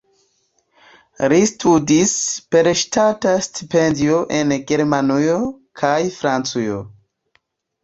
Li studis per ŝtata stipendio en Germanujo kaj Francujo.